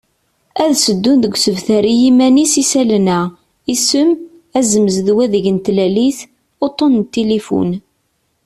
Ad sseddun deg usebter i yiman-is isallen-a: Isem, azemz d wadeg n tlalit, uṭṭun n tilifun.